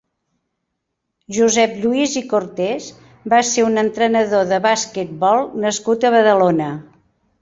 Josep Lluís i Cortés va ser un entrenador de basquetbol nascut a Badalona.